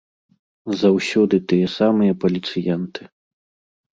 Заўсёды тыя самыя паліцыянты.